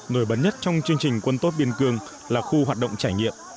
nổi bật nhất trong chương trình quân tốt biên cương là khu hoạt động trải nghiệm